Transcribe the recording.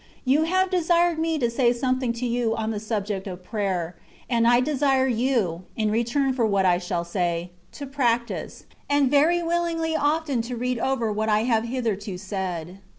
You have desired me to say something to you on the subject of prayer ; and I desire you, in return for what I shall say, to practise, and very willingly often to read over what I have hitherto said.